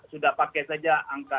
sudah pakai saja angka